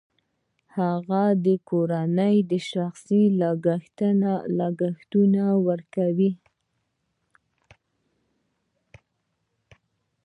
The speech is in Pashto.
هغه د کورنۍ شخصي لګښتونه ورکوي